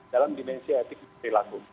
dalam dimensi etik perilaku